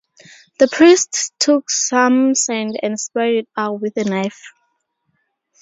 The priest took some sand and spread it out with a knife.